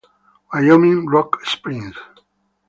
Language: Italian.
Wyoming, Rock Springs.